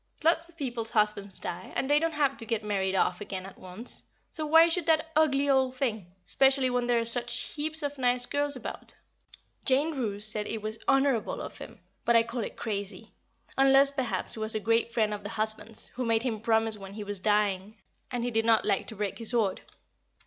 Lots of people's husbands die, and they don't have to get married off again at once so why should that ugly old thing, specially when there are such heaps of nice girls about? [Sidenote: A Man of Honour] Jane Roose said it was so honourable of him, but I call it crazy unless, perhaps, he was a great friend of the husband's, who made him promise when he was dying, and he did not like to break his word.